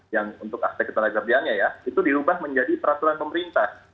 yang untuk aspek tenaga kerja biarnya ya itu dirubah menjadi peraturan pemerintah